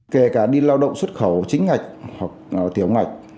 kể cả đi lao động xuất khẩu chính ngạch hoặc tiểu ngạch